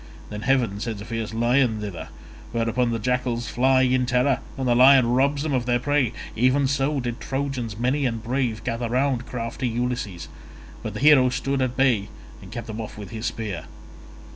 Then heaven sends a fierce lion thither, whereon the jackals fly in terror and the lion robs them of their prey—even so did Trojans many and brave gather round crafty Ulysses, but the hero stood at bay and kept them off with his spear.